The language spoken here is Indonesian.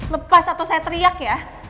lepas atau saya teriak ya